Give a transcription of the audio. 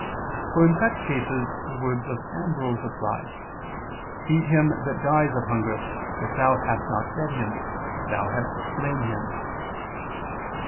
For in such cases the words of Ambrose apply, "Feed him that dies of hunger: if thou hast not fed him, thou hast slain him" [*Cf.